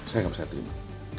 saya tidak bisa terima